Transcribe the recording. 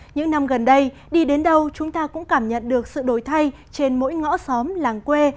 những năm gần đây đi đến đâu chúng ta cũng cảm nhận được sự đổi thay trên mỗi ngõ xóm làng quê